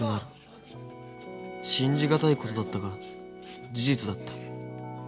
信じがたいことだったが事実だった。